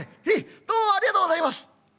「へいどうもありがとうございます」。